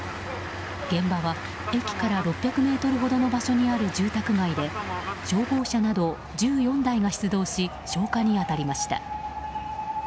現場は駅から６００ｍほどの場所にある住宅街で消防車など１４台が出動し消火に当たりました。